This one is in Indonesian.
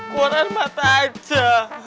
keluar mata aja